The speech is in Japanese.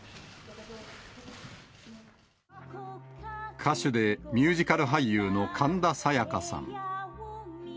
歌手でミュージカル俳優の神田沙也加さん。